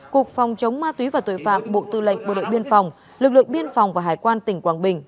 cục phòng chống ma túy và tội phạm bộ tư lệnh bộ đội biên phòng lực lượng biên phòng và hải quan tỉnh quảng bình